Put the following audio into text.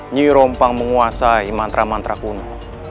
nyi rompang menguasai mantra mantra kuno